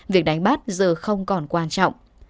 việc đánh bắt giờ không còn quan trọng